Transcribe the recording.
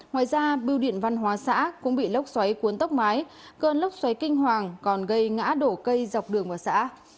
ngoài ra bưu điện văn hóa xã cũng bị lốc xoáy cuốn tốc mái cơn lốc xoáy kinh hoàng còn gây ngã đổ cây dọc đường vào xã